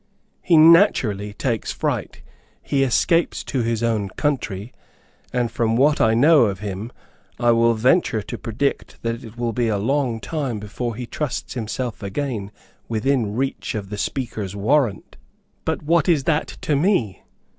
He naturally takes fright; he escapes to his own country; and, from what I know of him, I will venture to predict that it will be long before he trusts himself again within reach of the Speaker's warrant. But what is that to me?